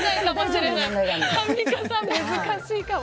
アンミカさん、難しいかも。